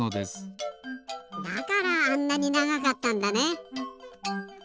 だからあんなにながかったんだね。